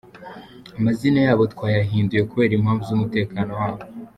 Amazina yabo twayahinduye, kubera impamvu z’umutekano wabo.